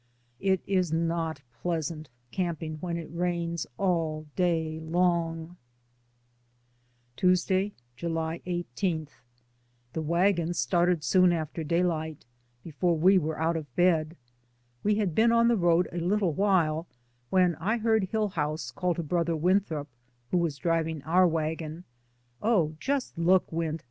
It is not pleasant camping when it rains all day long. DAYS ON THE ROAD. 155 Tuesday, July 18. The wagons started soon after daylight, before we were out of bed. We had been on the road a little while when I heard Hill house call to Brother Winthrop — who was driving our wagon — "Oh, just look, Wint.